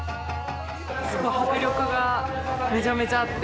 すごい迫力がめちゃめちゃあって。